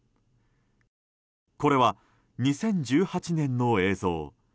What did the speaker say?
これは、２０１８年の映像。